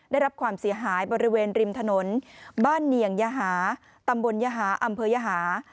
ได้รับความเสียหายบริเวณริมถนนบ้านเนียงยหาตำบลยหาอำเภอยหา